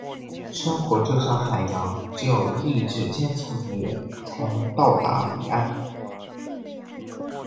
生活就像海洋，只有意志坚强的人，才能到达彼岸。